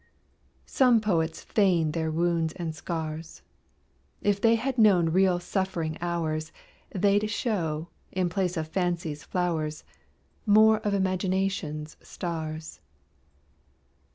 Some poets feign their wounds and scars. If they had known real suffering hours, They'd show, in place of Fancy's flowers, More of Imagination's stars.